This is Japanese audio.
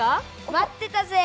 待ってたぜぃ。